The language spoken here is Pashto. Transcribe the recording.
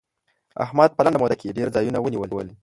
احمد په لنډه موده کې ډېر ځايونه ونيول.